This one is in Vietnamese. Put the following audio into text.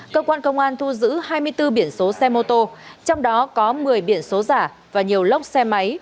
cơ quan công an thu giữ hai mươi bốn biển số xe mô tô trong đó có một mươi biển số giả và nhiều lốc xe máy